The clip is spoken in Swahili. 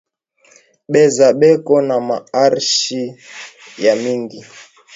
Baze beko na ma arishi ya mingi